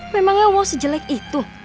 memangnya woh sejelek itu